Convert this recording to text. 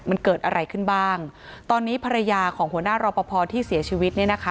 มันเกิดอะไรขึ้นบ้างตอนนี้ภรรยาของหัวหน้ารอปภที่เสียชีวิตเนี่ยนะคะ